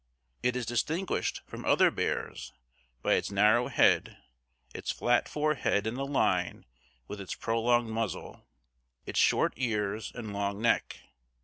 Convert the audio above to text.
It is distinguished from other bears by its narrow head, its flat forehead in a line with its prolonged muzzle, its short ears and long neck.